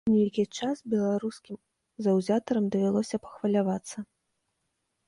Нейкі час беларускім заўзятарам давялося пахвалявацца.